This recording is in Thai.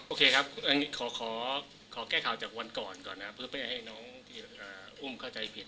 โอเคครับขอแก้ข่าวจากวันก่อนก่อนนะเพื่อให้น้องที่อุ้มเข้าใจผิด